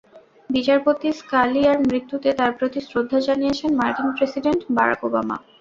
বিচারপতি স্কালিয়ার মৃত্যুতে তাঁর প্রতি শ্রদ্ধা জানিয়েছেন মার্কিন প্রেসিডেন্ট বারাক ওবামা।